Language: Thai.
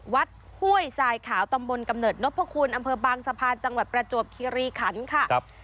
ห้วยทรายขาวตำบลกำเนิดนพคุณอำเภอบางสะพานจังหวัดประจวบคิริขันค่ะ